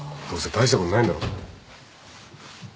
どうせ大したことないんだろ？